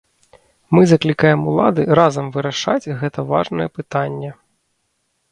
Мы заклікаем улады разам вырашаць гэтае важнае пытанне.